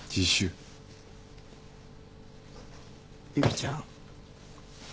由紀ちゃん